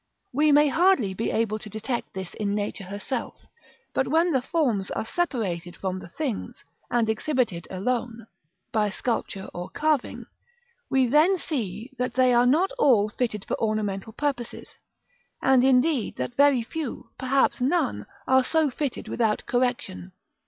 We may hardly be able to detect this in Nature herself; but when the forms are separated from the things, and exhibited alone (by sculpture or carving), we then see that they are not all fitted for ornamental purposes; and indeed that very few, perhaps none, are so fitted without correction.